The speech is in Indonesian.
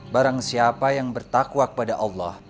barang siapa yang bertakwa kepada allah